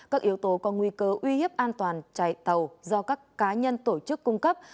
các yếu tố có nguy cơ uy hiếp an toàn chạy tàu do các cá nhân tổ chức cung cấp